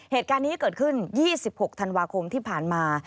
เหตุการณ์นี้เกิดขึ้น๒๖ธันวาคมที่ผ่านมา